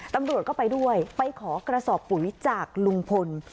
ตำรวจก็ไปด้วยไปขอกระสอบปุ๋ยจากลุงพล